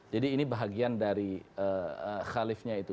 jadi ini bahagian dari khalifnya itu